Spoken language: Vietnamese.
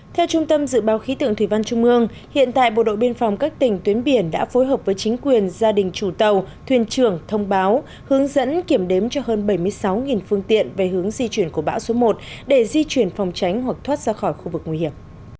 theo trung tâm dự báo khí tượng thủy văn trung mương hiện tại bộ đội biên phòng các tỉnh tuyến biển đã phối hợp với chính quyền gia đình chủ tàu thuyền trưởng thông báo hướng dẫn kiểm đếm cho hơn bảy mươi sáu phương tiện về hướng di chuyển của bão số một để di chuyển phòng tránh hoặc thoát ra khỏi khu vực nguy hiểm